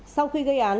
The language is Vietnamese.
sau khi gây án